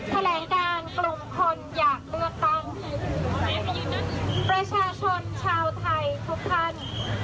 แถลงการกลุ่มคนอยากเลือกตั้งประชาชนชาวไทยทุกท่าน